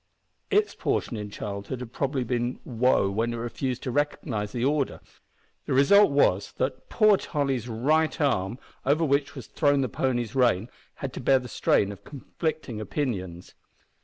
Its portion in childhood had probably been woe when it refused to recognise the order. The result was that poor Tolly's right arm, over which was thrown the pony's rein, had to bear the strain of conflicting opinions.